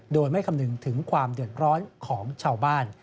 โดยไม่คำนึงถึงความเดือดร้อนของชาวบ้าน